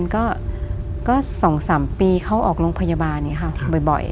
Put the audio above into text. ก็๒๓ปีเขาออกโรงพยาบาลบ่อย